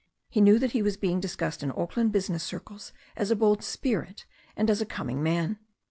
He knew that he was being discussed in Auckland business circles as a bold spirit and as a coming man.